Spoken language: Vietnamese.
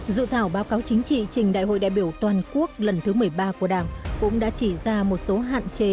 dự thảo báo cáo chính trị trình đại hội đại biểu toàn quốc lần thứ một mươi ba của đảng cũng đã chỉ ra một số hạn chế